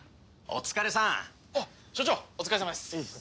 お疲れさまです。